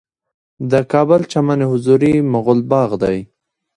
د کابل چمن حضوري مغل باغ دی